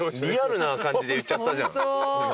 リアルな感じで言っちゃったじゃん。